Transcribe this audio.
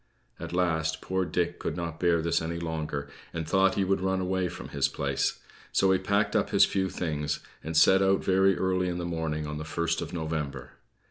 At last, poor Dick could not bear this any longer, and thought he would run away from his place; so he packed up his few things, and set out very early in the morning on the first of November.